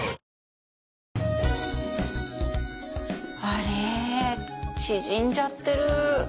あれ縮んじゃってる。